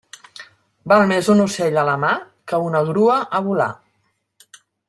Val més un ocell a la mà que una grua a volar.